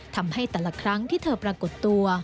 ทำให้แต่ละครั้งที่เธอปรากฏตัว